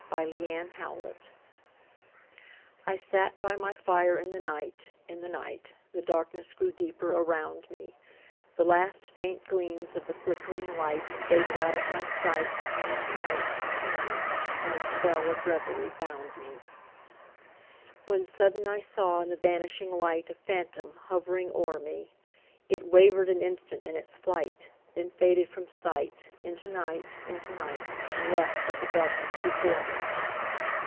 Y Z The Fire Soul I sat by my fire in the night, in the night, The darkness grew deeper around me, The last faint gleams of the flickering light Faded out of my sight, into night, into night, And the spell of revery bound me. When sudden I saw in the vanishing light A phantom hovering o'er me; It wavered an instant in its flight; Then faded from sight, into night, into night, And left but the darkness before me.